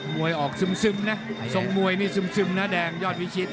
วยออกซึมนะทรงมวยนี่ซึมนะแดงยอดวิชิต